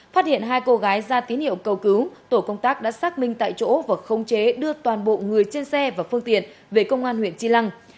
phát hiện hai cô gái ra tín hiệu cầu cứu tổ công tác đã xác minh tại chỗ và không chế đưa toàn bộ người trên xe và phương tiện về công an huyện tri lăng